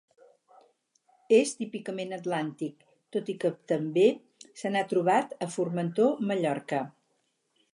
És típicament atlàntic, tot i que també se n'ha trobat a Formentor, Mallorca.